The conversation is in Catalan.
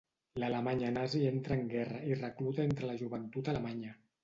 L'Alemanya nazi entra en guerra i recluta entre la joventut alemanya.